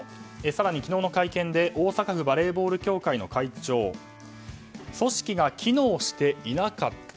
更に昨日の会見で大阪府バレーボール協会の会長組織が機能していなかった。